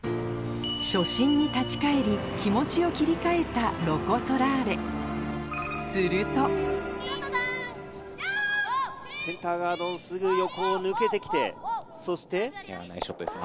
初心に立ち返り気持ちを切り替えたロコ・ソラーレするとセンターガードのすぐ横を抜けて来てそして。